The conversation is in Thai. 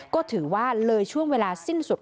ก็ถือว่าเลยช่วงเวลาสิ้นสุด